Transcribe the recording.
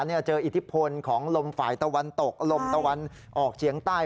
เจออิทธิพลของลมฝ่ายตะวันตกลมตะวันออกเฉียงใต้